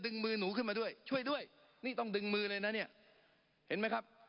มือหนูขึ้นมาด้วยช่วยด้วยนี่ต้องดึงมือเลยนะเนี่ยเห็นไหมครับ